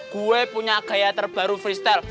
gue punya gaya terbaru freestyle